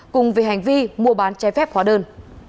cùng về hành vi mua bán che phép hóa đơn